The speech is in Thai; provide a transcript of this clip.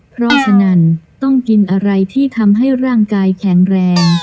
เพราะฉะนั้นต้องกินอะไรที่ทำให้ร่างกายแข็งแรง